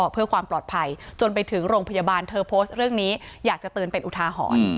เพื่อความปลอดภัยจนไปถึงโรงพยาบาลเธอโพสต์เรื่องนี้อยากจะเตือนเป็นอุทาหรณ์